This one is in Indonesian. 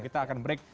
kita akan break